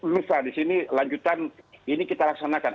lusa di sini lanjutan ini kita laksanakan